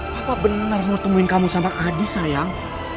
papa benar mau ketemuin kamu sama adi sayang